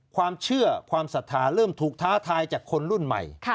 ความเชื่อความศรัทธาเริ่มถูกท้าทายจากคนรุ่นใหม่